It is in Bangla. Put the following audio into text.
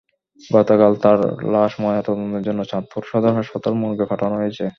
গতকাল তাঁর লাশ ময়নাতদন্তের জন্য চাঁদপুর সদর হাসপাতাল মর্গে পাঠানো হয়েছে।